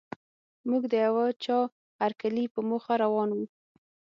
موږ د یوه چا هرکلي په موخه روان وو.